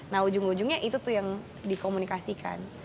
nah ujung ujungnya itu tuh yang dikomunikasikan